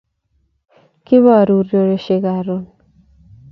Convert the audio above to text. Kiboru ureriosiek karon